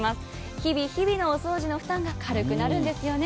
日々、日々のお掃除の負担が軽くなるんですよね。